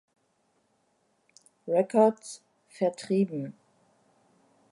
Records vertrieben.